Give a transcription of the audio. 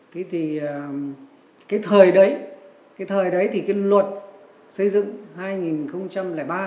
thế thì cái thời đấy cái thời đấy thì cái luật xây dựng hai nghìn ba